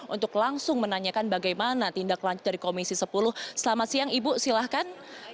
untuk langsung menanyakan bagaimana tindak lanjut dari komisi sepuluh selamat siang ibu silahkan